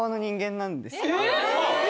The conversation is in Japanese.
え！